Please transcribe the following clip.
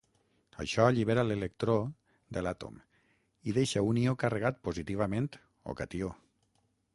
Això allibera l'electró de l'àtom i deixa un ió carregat positivament o catió.